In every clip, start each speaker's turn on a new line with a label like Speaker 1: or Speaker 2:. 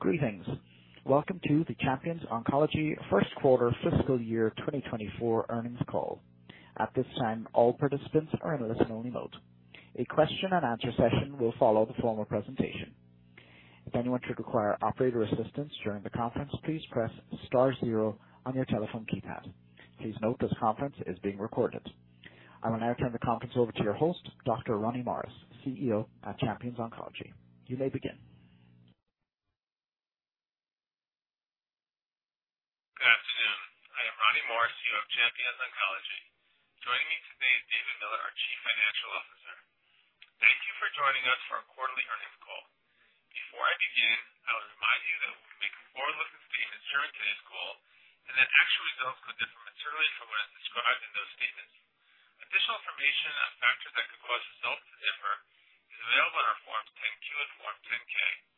Speaker 1: Greetings! Welcome to the Champions Oncology Q1 Fiscal Year 2024 earnings call. At this time, all participants are in listen-only mode. A question-and-answer session will follow the formal presentation. If anyone should require operator assistance during the conference, please press star-zero on your telephone keypad. Please note this conference is being recorded. I will now turn the conference over to your host, Dr. Ronnie Morris, CEO at Champions Oncology. You may begin.
Speaker 2: Good afternoon. I am Ronnie Morris, CEO of Champions Oncology. Joining me today is David Miller, our Chief Financial Officer. Thank you for joining us for our quarterly earnings call. Before I begin, I will remind you that we make forward-looking statements during today's call, and that actual results could differ materially from what is described in those statements. Additional information on factors that could cause results to differ is available in our Form 10-Q and Form 10-K. A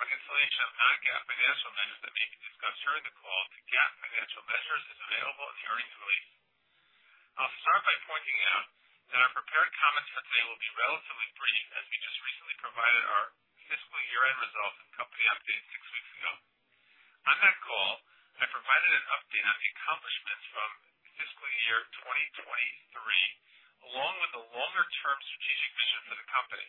Speaker 2: reconciliation of non-GAAP financial measures that may be discussed during the call to GAAP financial measures is available in the earnings release. I'll start by pointing out that our prepared comments today will be relatively brief, as we just recently provided our fiscal year-end results and company update six weeks ago. On that call, I provided an update on the accomplishments from fiscal year 2023, along with the longer-term strategic vision for the company.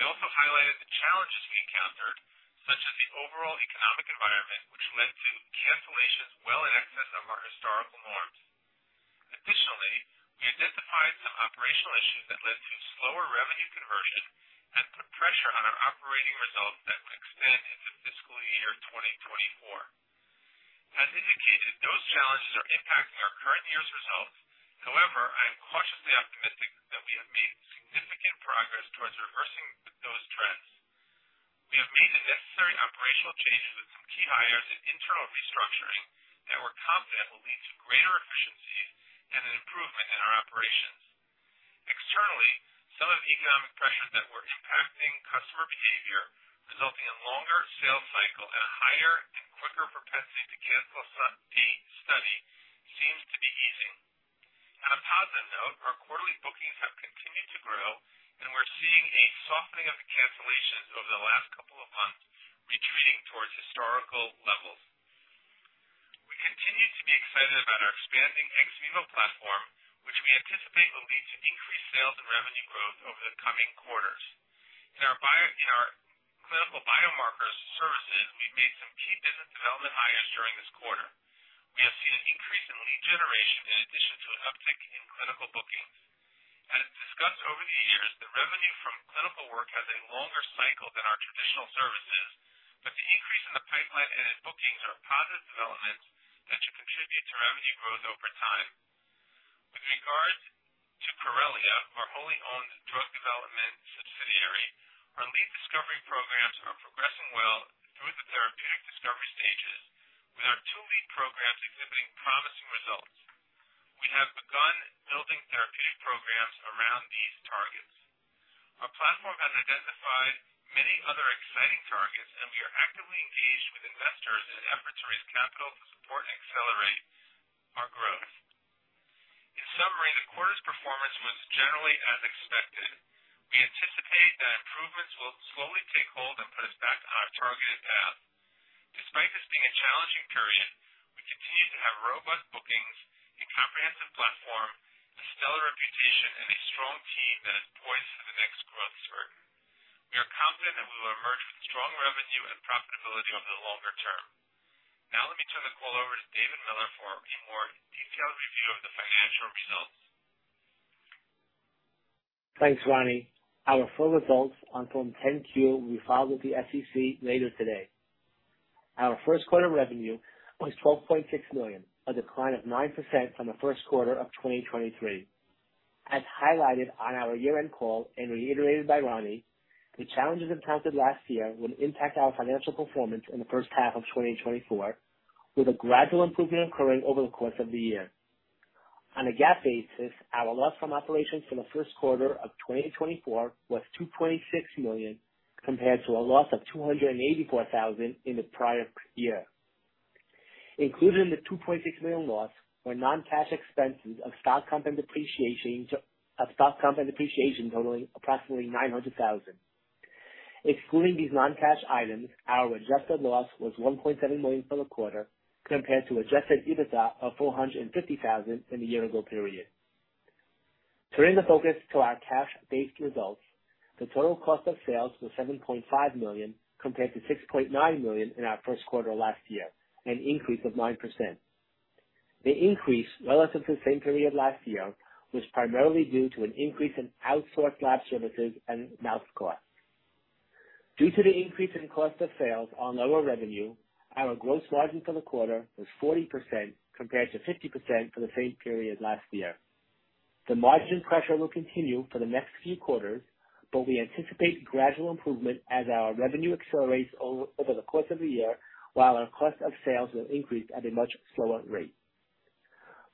Speaker 2: I also highlighted the challenges we encountered, such as the overall economic environment, which led to cancellations well in excess of our historical norms. Additionally, we identified some operational issues that led to slower revenue conversion and put pressure on our operating results that will extend into fiscal year 2024. As indicated, those challenges are impacting our current year's results. However, I am cautiously optimistic that we have made significant progress towards reversing those trends. We have made the necessary operational changes with some key hires and internal restructurings that we're confident will lead to greater efficiency and an improvement in our operations. Externally, some of the economic pressures that were impacting customer behavior, resulting in longer sales cycles and a higher and quicker propensity to cancel a study, seems to be easing. On a positive note, our quarterly bookings have continued to grow, and we're seeing a softening of the cancellations over the last couple of months, retreating towards historical levels. We continue to be excited about our expanding xx vivo platform, which we anticipate will lead to increased sales and revenue growth over the coming quarters. In our clinical biomarker services, we've made some key business development hires during this quarter. We have seen an increase in lead generation in addition to an uptick in clinical bookings. As discussed over the years, the revenue from clinical work has a longer cycle than our traditional services, but the increase in the pipeline and its bookings are positive developments that should contribute to revenue growth over time. With regards to Corellia, our wholly owned drug development subsidiary, our lead discovery programs are progressing well through the therapeutic discovery stages, with our two lead programs exhibiting promising results. We have begun building therapeutic programs around these targets. Our platform has identified many other exciting targets, and we are actively engaged with investors in an effort to raise capital to support and accelerate our growth. In summary, the quarter's performance was generally as expected. We anticipate that improvements will slowly take hold and put us back on our targeted path. Despite this being a challenging period, we continue to have robust bookings, a comprehensive platform, a stellar reputation, and a strong team that is poised for the next growth spurt. We are confident that we will emerge with strong revenue and profitability over the longer term. Now, let me turn the call over to David Miller for a more detailed review of the financial results.
Speaker 3: Thanks, Ronnie. Our full results on Form 10-Q will be filed with the SEC later today. Our Q1 revenue was $12.6 million, a decline of 9% from the Q1 of 2023. As highlighted on our year-end call and reiterated by Ronnie, the challenges encountered last year will impact our financial performance in the H1 of 2024, with a gradual improvement occurring over the course of the year. On a GAAP basis, our loss from operations for the Q1 of 2024 was $2.6 million, compared to a loss of $284,000 in the prior year. Included in the $2.6 million loss were non-cash expenses of stock compensation and depreciation, totaling approximately $900,000. Excluding these non-cash items, our adjusted loss was $1.7 million for the quarter, compared to Adjusted EBITDA of $450,000 in the year-ago period. Turning the focus to our cash-based results, the total cost of sales was $7.5 million, compared to $6.9 million in our Q1 last year, an increase of 9%. The increase relative to the same period last year was primarily due to an increase in outsourced lab services and mouse costs. Due to the increase in cost of sales on lower revenue, our gross margin for the quarter was 40%, compared to 50% for the same period last year. The margin pressure will continue for the next few quarters, but we anticipate gradual improvement as our revenue accelerates over the course of the year, while our cost of sales will increase at a much slower rate.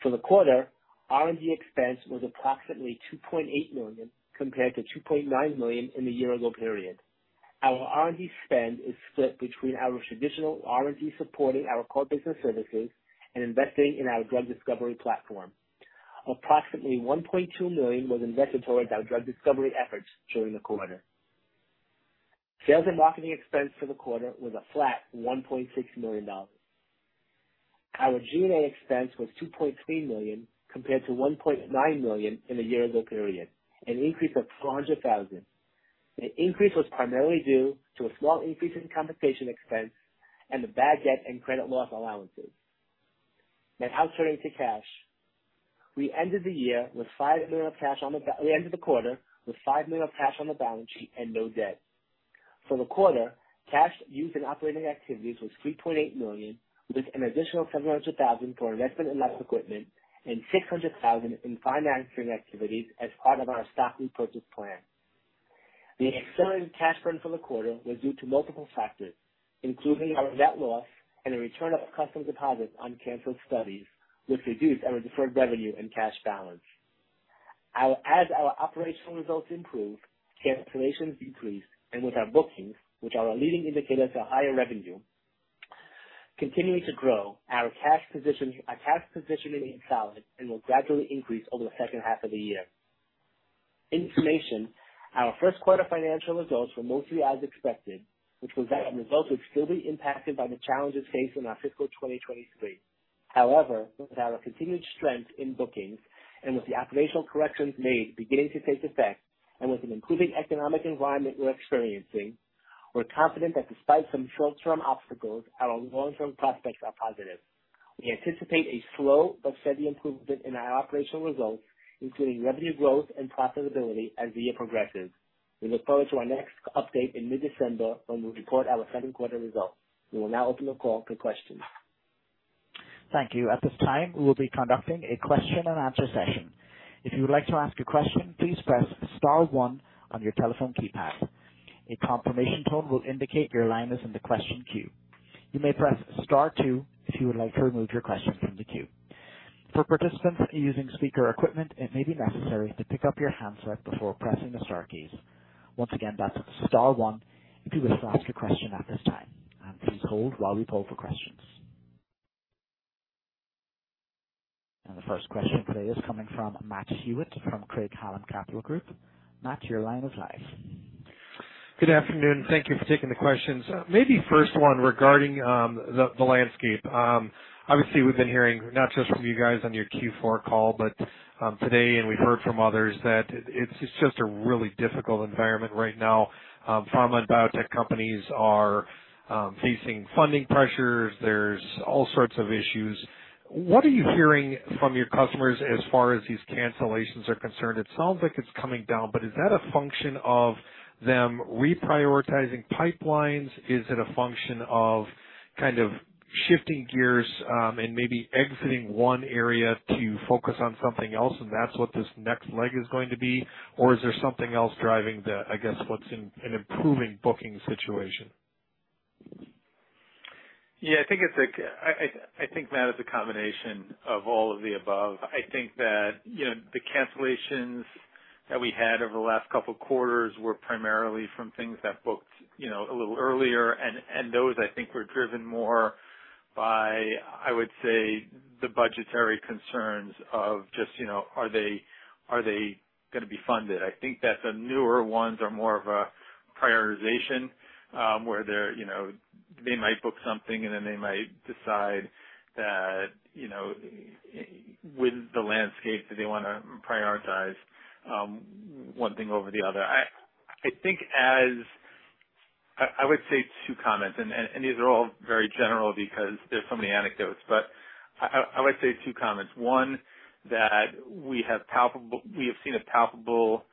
Speaker 3: For the quarter, R&D expense was approximately $2.8 million, compared to $2.9 million in the year-ago period. Our R&D spend is split between our traditional R&D, supporting our core business services and investing in our drug discovery platform. Approximately $1.2 million was invested towards our drug discovery efforts during the quarter. Sales and marketing expense for the quarter was a flat $1.6 million. Our G&A expense was $2.3 million compared to $1.9 million in the year ago period, an increase of $400,000. The increase was primarily due to a small increase in compensation expense and the bad debt and credit loss allowances. Now turning to cash. We ended the quarter with $5 million of cash on the balance sheet and no debt. For the quarter, cash used in operating activities was $3.8 million, with an additional $700,000 for investment in lab equipment and $600,000 in financing activities as part of our stock repurchase plan. The accelerated cash burn for the quarter was due to multiple factors, including our net loss and a return of custom deposits on canceled studies, which reduced our deferred revenue and cash balance. Our, as our operational results improve, cancellations decreased, and with our bookings, which are a leading indicator to higher revenue, continuing to grow, our cash position, our cash positioning is solid and will gradually increase over the H2 of the year. In summation, our Q1 financial results were mostly as expected, which was that our results would still be impacted by the challenges faced in our fiscal 2023. However, with our continued strength in bookings and with the operational corrections made beginning to take effect and with an improving economic environment we're experiencing, we're confident that despite some short-term obstacles, our long-term prospects are positive. We anticipate a slow but steady improvement in our operational results, including revenue growth and profitability as the year progresses. We look forward to our next update in mid-December, when we'll report our Q2 results. We will now open the call to questions.
Speaker 1: Thank you. At this time, we will be conducting a question and answer session. If you would like to ask a question, please press star one on your telephone keypad. A confirmation tone will indicate your line is in the question queue. You may press star two if you would like to remove your question from the queue. For participants using speaker equipment, it may be necessary to pick up your handset before pressing the star keys. Once again, that's star one if you wish to ask a question at this time. Please hold while we poll for questions. The first question today is coming from Matt Hewitt from Craig-Hallum Capital Group. Matt, your line is live.
Speaker 4: Good afternoon. Thank you for taking the questions. Maybe first one regarding the landscape. Obviously, we've been hearing, not just from you guys on your Q4 call, but today, and we've heard from others that it's just a really difficult environment right now. Pharma and biotech companies are facing funding pressures. There's all sorts of issues. What are you hearing from your customers as far as these cancellations are concerned? It sounds like it's coming down, but is that a function of them reprioritizing pipelines? Is it a function of kind of shifting gears and maybe exiting one area to focus on something else, and that's what this next leg is going to be? Or is there something else driving the, I guess, what's an improving booking situation?
Speaker 2: Yeah, I think it's a combination of all of the above, Matt. I think that, you know, the cancellations that we had over the last couple of quarters were primarily from things that booked, you know, a little earlier, and those I think were driven more by, I would say, the budgetary concerns of just, you know, are they gonna be funded? I think that the newer ones are more of a prioritization, where they're, you know, they might book something and then they might decide that, you know, with the landscape, do they wanna prioritize one thing over the other? I would say two comments, and these are all very general because there's so many anecdotes, but I would say two comments. One, that we have seen a palpable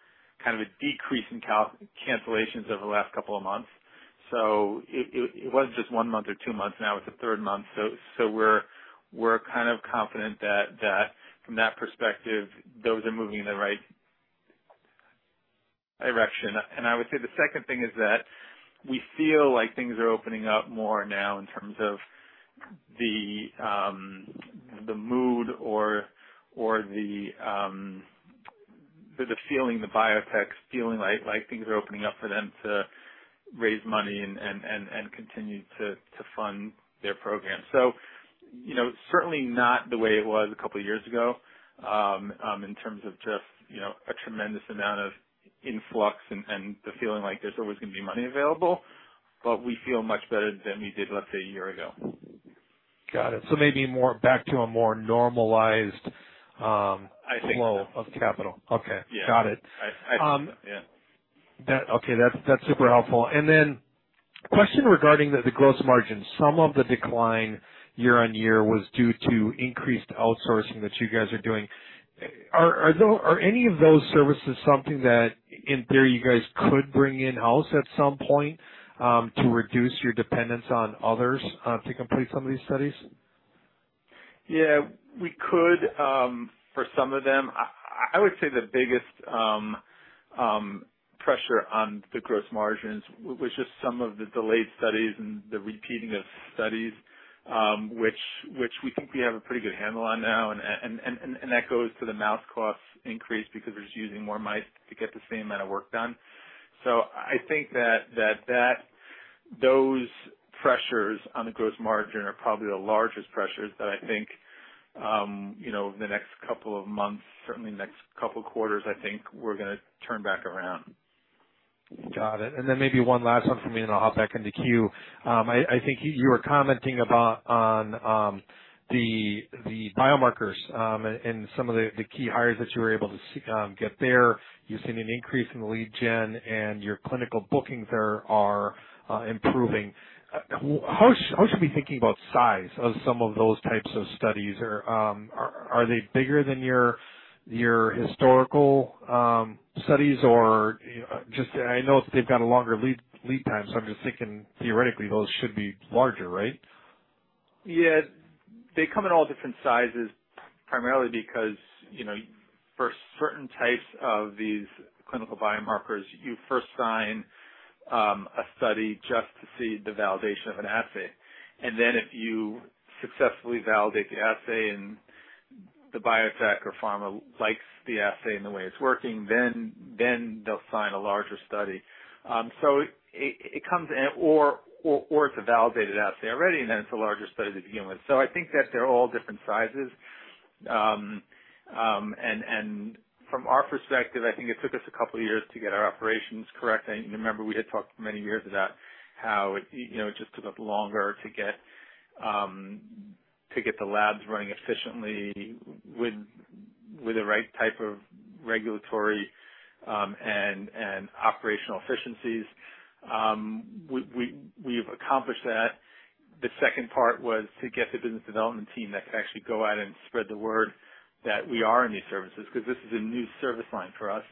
Speaker 2: kind of a decrease in cancellations over the last couple of months, so it wasn't just one month or two months, now it's the third month. So we're kind of confident that from that perspective, those are moving in the right direction. And I would say the second thing is that we feel like things are opening up more now in terms of the mood or the feeling, the biotech's feeling like things are opening up for them to raise money and continue to fund their program. So, you know, certainly not the way it was a couple of years ago, in terms of just, you know, a tremendous amount of influx and, and the feeling like there's always gonna be money available, but we feel much better than we did, let's say, a year ago.
Speaker 4: Got it. So maybe more back to a more normalized.
Speaker 2: I think so.
Speaker 4: Flow of capital. Okay.
Speaker 2: Yeah.
Speaker 4: Got it.
Speaker 2: I think so, yeah.
Speaker 4: Okay, that's, that's super helpful. And then question regarding the gross margin. Some of the decline year-on-year was due to increased outsourcing that you guys are doing. Are any of those services something that, in theory, you guys could bring in-house at some point, to reduce your dependence on others, to complete some of these studies?
Speaker 2: Yeah, we could, for some of them. I would say the biggest pressure on the gross margins was just some of the delayed studies and the repeating of studies, which we think we have a pretty good handle on now. And that goes to the mouse costs increase because we're using more mice to get the same amount of work done. So I think that those pressures on the gross margin are probably the largest pressures that I think, you know, over the next couple of months, certainly next couple quarters, I think we're gonna turn back around.
Speaker 4: Got it. And then maybe one last one for me, and I'll hop back in the queue. I think you were commenting about, on, the biomarkers, and some of the key hires that you were able to see get there. You've seen an increase in the lead gen, and your clinical bookings are improving. How should we be thinking about size of some of those types of studies? Or, are they bigger than your historical studies? Or just I know they've got a longer lead time, so I'm just thinking theoretically, those should be larger, right?
Speaker 2: Yeah. They come in all different sizes, primarily because, you know, for certain types of these clinical biomarkers, you first sign a study just to see the validation of an assay. And then if you successfully validate the assay and the biotech or pharma likes the assay and the way it's working, then they'll sign a larger study. So it comes in or it's a validated assay already, and then it's a larger study to begin with. So I think that they're all different sizes. And from our perspective, I think it took us a couple of years to get our operations correct. I remember we had talked many years about how it, you know, it just took us longer to get to get the labs running efficiently with the right type of regulatory and operational efficiencies. We've accomplished that. The second part was to get the business development team that could actually go out and spread the word that we are in these services, 'cause this is a new service line for us.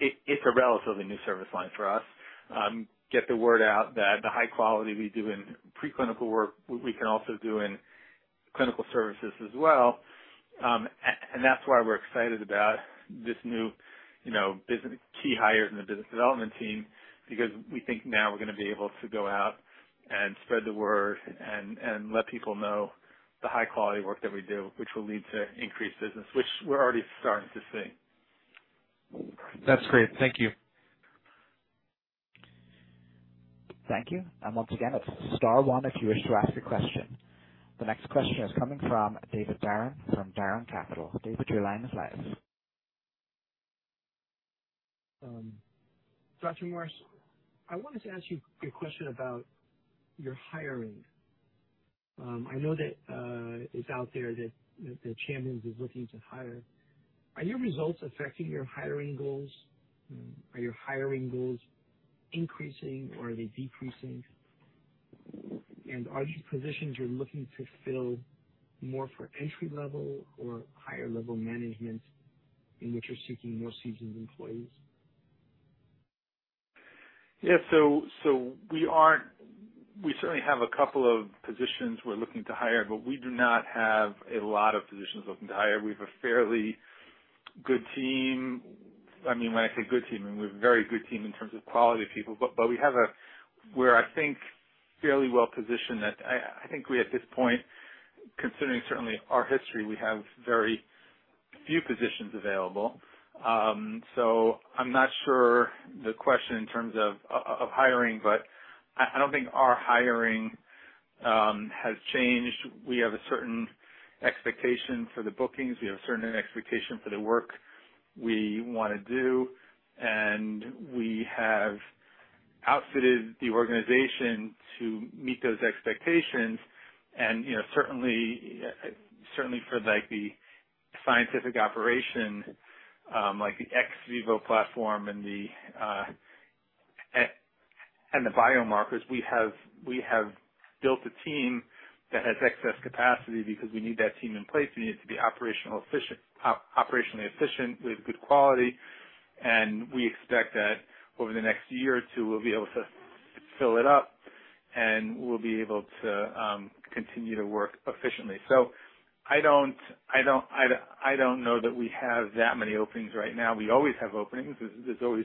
Speaker 2: It's a relatively new service line for us. Get the word out that the high quality we do in preclinical work, we can also do in clinical services as well. And that's why we're excited about this new, you know, business, key hires in the business development team, because we think now we're gonna be able to go out and spread the word and let people know the high quality work that we do, which will lead to increased business, which we're already starting to see.
Speaker 4: That's great. Thank you.
Speaker 1: Thank you. Once again, it's star one if you wish to ask a question. The next question is coming from David Darren from Darren Capital. David, your line is live.
Speaker 5: Dr. Morris, I wanted to ask you a question about your hiring. I know that, it's out there that, that Champions is looking to hire. Are your results affecting your hiring goals? Are your hiring goals increasing or are they decreasing? And are these positions you're looking to fill more for entry level or higher level management in which you're seeking more seasoned employees?
Speaker 2: Yeah. So we aren't, we certainly have a couple of positions we're looking to hire, but we do not have a lot of positions looking to hire. We have a fairly good team. I mean, when I say good team, I mean, we have a very good team in terms of quality of people, but we have a, we're, I think, fairly well positioned that I think we, at this point, considering certainly our history, we have very few positions available. So I'm not sure the question in terms of hiring, but I don't think our hiring has changed. We have a certain expectation for the bookings. We have a certain expectation for the work we wanna do, and we have outfitted the organization to meet those expectations, and, you know, certainly, certainly for, like, the scientific operation, like the ex vivo platform and the and the biomarkers, we have, we have built a team that has excess capacity because we need that team in place. We need it to be operationally efficient, with good quality, and we expect that over the next year or two, we'll be able to fill it up, and we'll be able to continue to work efficiently. So I don't know that we have that many openings right now. We always have openings. There's always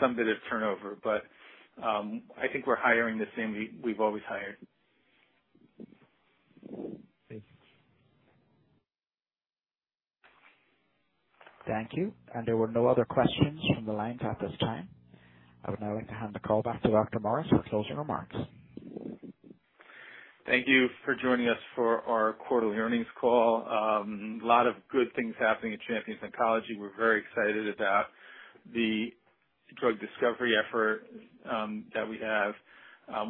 Speaker 2: some bit of turnover, but I think we're hiring the same way we've always hired.
Speaker 1: Thank you. There were no other questions from the lines at this time. I would now like to hand the call back to Dr. Morris for closing remarks.
Speaker 3: Thank you for joining us for our quarterly earnings call. A lot of good things happening at Champions Oncology. We're very excited about the drug discovery effort that we have.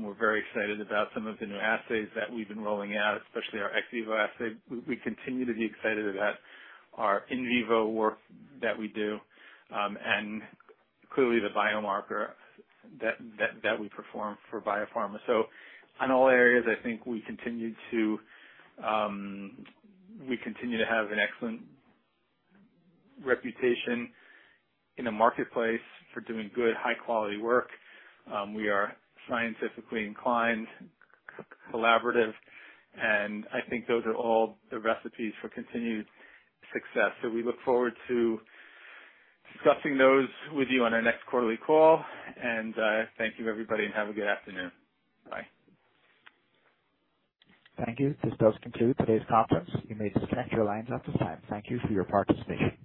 Speaker 3: We're very excited about some of the new assays that we've been rolling out, especially our ex vivo assay. We continue to be excited about our in vivo work that we do, and clearly the biomarker that we perform for biopharma. So in all areas, I think we continue to have an excellent reputation in the marketplace for doing good, high-quality work. We are scientifically inclined, collaborative, and I think those are all the recipes for continued success. So we look forward to discussing those with you on our next quarterly call, and thank you, everybody, and have a good afternoon. Bye.
Speaker 1: Thank you. This does conclude today's conference. You may disconnect your lines at this time. Thank you for your participation.